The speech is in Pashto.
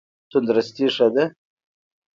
تندرستي ښه ده.